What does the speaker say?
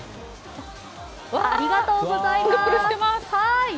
ありがとうございます！